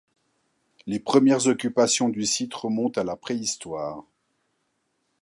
Les premières occupations du site remontent à la préhistoire.